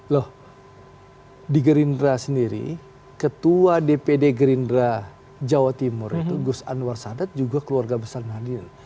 loh di gerindra sendiri ketua dpd gerindra jawa timur itu gus anwar sadat juga keluarga besar hadir